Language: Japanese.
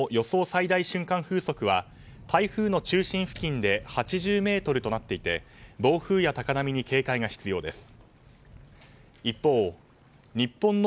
最大瞬間風速は台風の中心付近で８０メートルとなっていて暴風や高波に警戒が必要です。